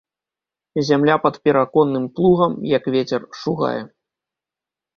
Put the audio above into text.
Зямля пад параконным плугам, як вецер, шугае.